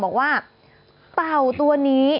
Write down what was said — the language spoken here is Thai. บอกว่าเต่าตัวนี้